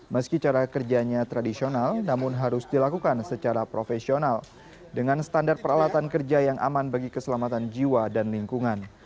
meski cara kerjanya tradisional namun harus dilakukan secara profesional dengan standar peralatan kerja yang aman bagi keselamatan jiwa dan lingkungan